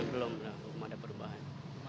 belum ada perubahan